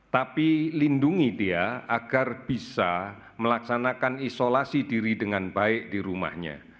tapi lindungi dia agar bisa melaksanakan isolasi diri dengan baik di rumahnya